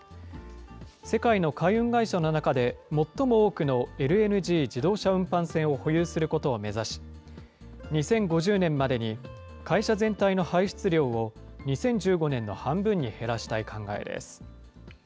世界の海運会社の中で最も多くのＬＮＧ自動車運搬船を保有することを目指し、２０５０年までに会社全体の排出量を２０１５年の半分に減らしたい考えです。